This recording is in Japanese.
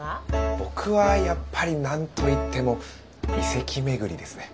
僕はやっぱり何と言っても遺跡巡りですね。